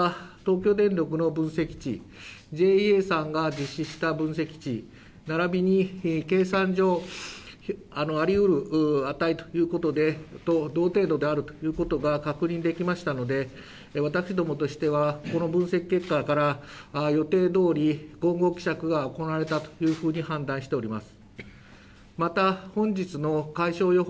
その結果、東京電力の分析値、ＪＡさんが実施した分析ならびに計算上、ありうる直ということで同程度であるということが確認できましたので、私どもとしてはこの分析結果から予定どおり、合法希釈が行われたと判断しております。